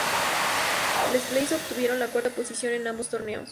Les Bleus obtuvieron la cuarta posición en ambos torneos.